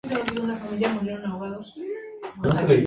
Craig Roberts se unió al reparto en el mes siguiente.